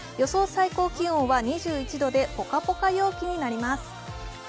最高気温は２１度でポカポカ陽気になります。